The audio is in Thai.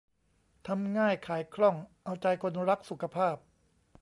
ทำง่ายขายคล่องเอาใจคนรักสุขภาพ